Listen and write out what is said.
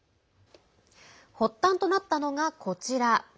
発端となったのが、こちら。